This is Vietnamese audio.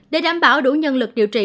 để đảm bảo đủ nhân lực điều trị